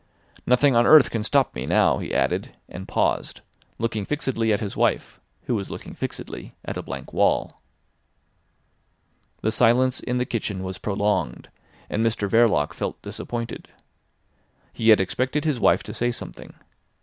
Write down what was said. "Nothing on earth can stop me now," he added, and paused, looking fixedly at his wife, who was looking fixedly at a blank wall. The silence in the kitchen was prolonged, and Mr Verloc felt disappointed. He had expected his wife to say something.